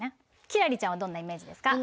輝星ちゃんはどんなイメージですか？